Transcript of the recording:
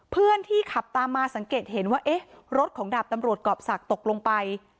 เพื่อนที่ขับตามมาสังเกตเห็นว่าเอ๊ะรถของดาบตำรวจกรอบศักดิ์ตกลงไป